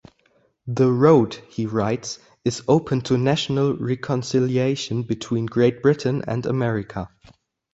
"The road," he writes, "is open to national reconciliation between Great Britain and America.